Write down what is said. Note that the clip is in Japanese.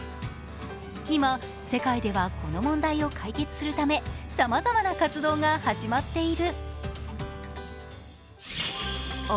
今、世界ではこの問題を解決するため、さまざまな活動が始まっている。